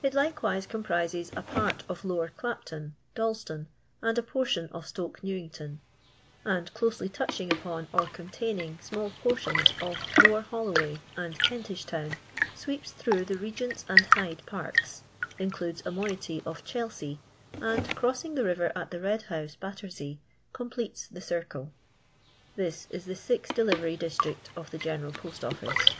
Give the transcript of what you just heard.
It likewise comprises a part of Lower Clapton, Dalston, and a portion of Stoke New ington ; and closely touching upon or containing •null portions of Lower Holloway, and Kentish town, sweeps through the Regent's and Hyde parks, includes a moiety of Chelsea, and crossing the river at the Red house, Battersea, completes the circle. This is the six deUvery district of the Oeneral Post Office.